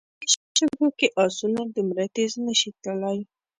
په دې شګو کې آسونه دومره تېز نه شي تلای.